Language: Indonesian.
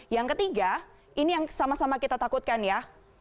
yang ketiga ini yang sama sama kita takutkan ya